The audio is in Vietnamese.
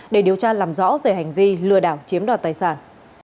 để điều tra làm rõ về hành vi lừa đảo chiếm đoạt tài sản